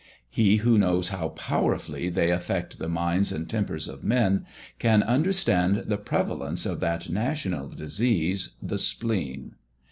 He who knows how powerfully they affect the minds and tempers of men, can understand the prevalence of that national disease the spleen.